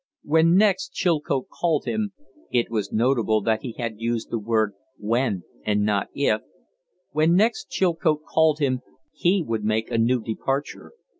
When next Chilcote called him It was notable that he had used the word "when" and not "if." When next Chilcote called him he would make a new departure.